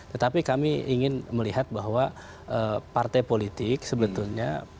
tetapi kami ingin melihat bahwa partai politik sebetulnya